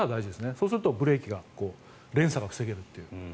そうするとブレーキ、連鎖が防げるという。